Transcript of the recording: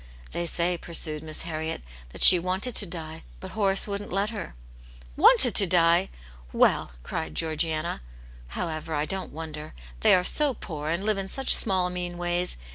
"They say," pursued Miss Harriet, "that she wanted to die, but Horace wouldn't let her." "Wanted to die .^ Well! " cried Georgiana. " How ever, I don't wonder. They are so poor, and live in such small, mean ways.